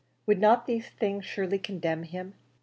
Would not these things surely condemn him?